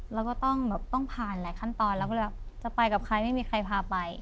เราก็ต้องแบบต้องผ่านหลายขั้นตอนเราก็เลยแบบจะไปกับใครไม่มีใครพาไป